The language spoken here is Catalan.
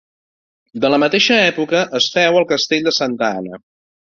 De la mateixa època és feu el castell de santa Anna.